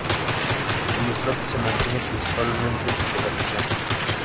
El islote se mantiene principalmente sin vegetación.